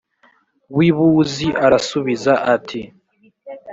w i buzi arasubiza ati